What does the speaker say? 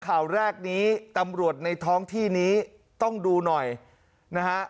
ข่าวแรกนี้ตำรวจในท้องที่นี้ต้องดูหน่อยนะฮะ